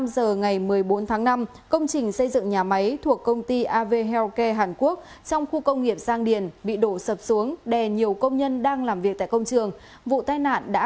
xin chào và hẹn gặp lại